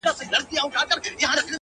امتحان لره راغلی کوه کن د زمانې یم,